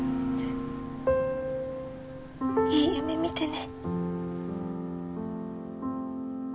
いい夢見てね。